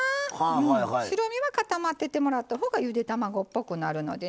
白身は固まっててもらったほうがゆで卵っぽくなるのでね。